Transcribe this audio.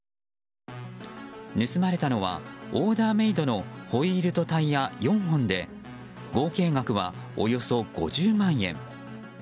盗まれたのは、オーダーメイドのホイールとタイヤ４本で合計額はおよそ５０万円。